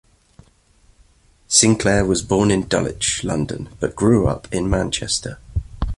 Sinclair was born in Dulwich, London but grew up in Manchester.